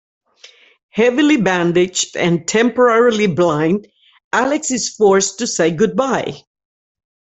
Heavily bandaged and temporarily blind, Alex is forced to say goodbye.